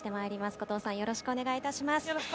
後藤さん、よろしくお願いします。